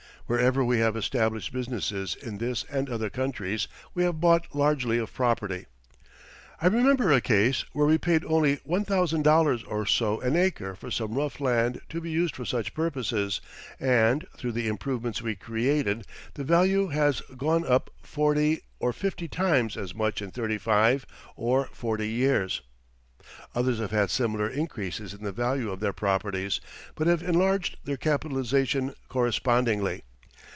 Wherever we have established businesses in this and other countries we have bought largely of property. I remember a case where we paid only $1,000 or so an acre for some rough land to be used for such purposes, and, through the improvements we created, the value has gone up 40 or 50 times as much in 35 or 40 years. Others have had similar increases in the value of their properties, but have enlarged their capitalization correspondingly.